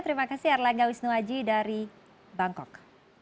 terima kasih erlangga wisnuaji dari bangkok